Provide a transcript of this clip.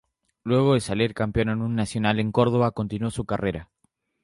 Luego de salir campeón en un Nacional en Córdoba, continuó su carrera.